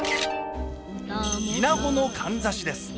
稲穂のかんざしです。